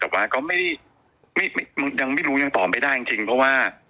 แต่ว่าก็ไม่ได้ยังไม่รู้ยังตอบไม่ได้จริงเพราะว่า